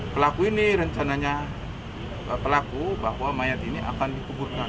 pelaku ini rencananya pelaku bahwa mayat ini akan dikuburkan